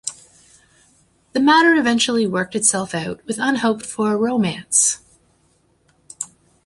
The matter eventually worked itself out with unhoped-for romance.